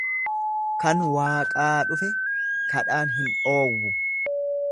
Kan Waaqaa dhufe kadhaan hin dhoowwu.